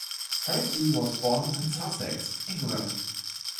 Hersee was born in Sussex, England.